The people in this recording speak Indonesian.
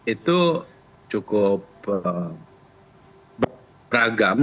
itu cukup beragam